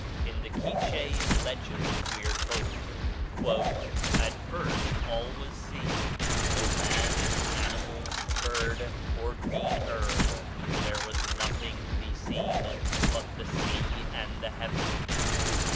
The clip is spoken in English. In the Quiche legends we are told, "at first all was sea no man, animal, bird, or green herb there was nothing to be seen but the sea and the heavens."